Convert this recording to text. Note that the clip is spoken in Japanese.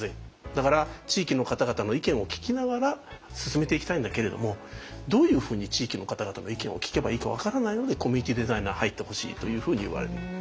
だから地域の方々の意見を聞きながら進めていきたいんだけれどもどういうふうに地域の方々の意見を聞けばいいか分からないのでコミュニティデザイナー入ってほしいというふうに言われる。